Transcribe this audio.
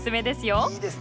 いいですね